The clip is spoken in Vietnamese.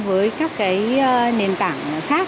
với các cái nền tảng khác